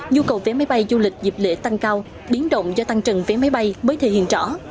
nhu cầu vé máy bay du lịch dịp lễ tăng cao biến động do tăng trần vé máy bay mới thể hiện rõ